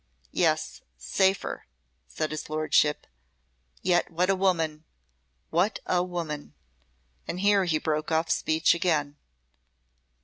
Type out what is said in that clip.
"Yes, safer!" said his Lordship. "Yet what a woman! What a woman!" and here he broke off speech again.